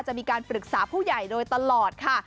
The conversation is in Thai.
จะมีการปรึกษาผู้ใหญ่โดยตลอดค่ะ